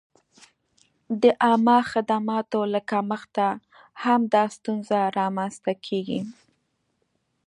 د عامه خدماتو له کمښته هم دا ستونزه را منځته کېږي.